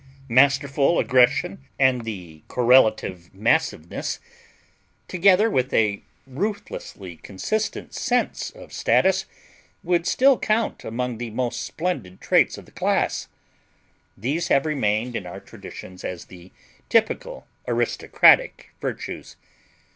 Masterful aggression, and the correlative massiveness, together with a ruthlessly consistent sense of status, would still count among the most splendid traits of the class. These have remained in our traditions as the typical "aristocratic virtues."